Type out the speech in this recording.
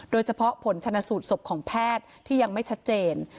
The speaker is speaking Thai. โดยเฉพาะผลชนะสูตรศพของแพทย์ที่ยังไม่ชัดเจน